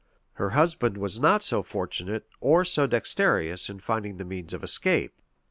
Her husband was not so fortunate or so dexterous in finding the means of escape.